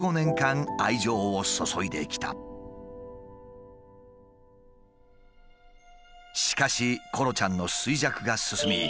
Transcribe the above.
しかしコロちゃんの衰弱が進み